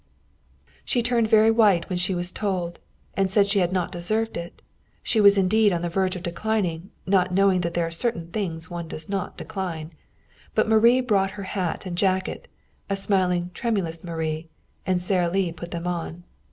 She turned very white when she was told, and said she had not deserved it; she was indeed on the verge of declining, not knowing that there are certain things one does not decline. But Marie brought her hat and jacket a smiling, tremulous Marie and Sara Lee put them on.